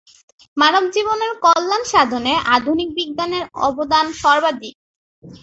মানবজীবনের কল্যাণসাধনে আধুনিক বিজ্ঞানের অবদান সর্বাধিক।